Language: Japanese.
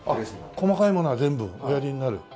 細かいものは全部おやりになる。